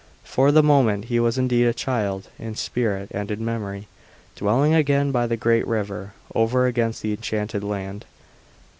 For the moment he was, indeed, a child, in spirit and in memory, dwelling again by the great river, over against the Enchanted Land!